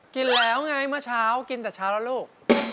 กินแล้วไงเมื่อเช้ากินแต่เช้าแล้วลูก